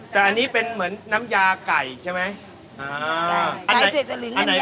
แต่อันนี้เป็นเหมือนน้ำยาไก่ใช่ไหม